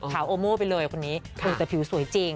ขาวโอโม้สักหน่อยแต่ผิวสวยจริง